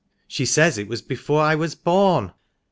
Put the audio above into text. She says it was before I was born."